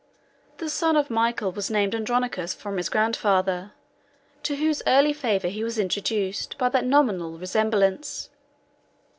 The son of Michael was named Andronicus from his grandfather, to whose early favor he was introduced by that nominal resemblance.